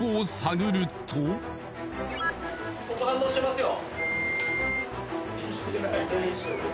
ここ反応してますよ